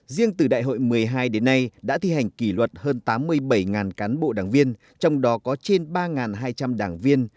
riêng từ đại hội một mươi hai đến nay đã thi hành kỷ luật hơn tám mươi bảy cán bộ đảng viên trong đó có trên ba hai trăm linh đảng viên